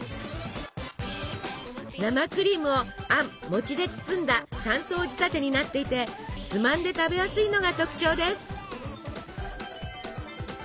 生クリームをあん餅で包んだ３層仕立てになっていてつまんで食べやすいのが特徴です。